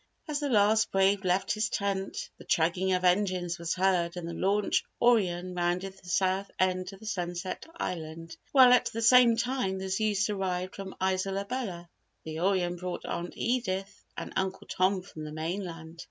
As the last Brave left his tent the chugging of engines was heard and the launch Orion rounded the south end of Sunset Island, while at the same time the Zeus arrived from Isola Bella. The Orion brought Aunt Edith and Uncle Tom from the mainland.